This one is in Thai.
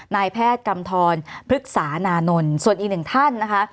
นายแพทย์กำทรพฤกษานานนท์ส่วนอีกหนึ่งท่านนะคะ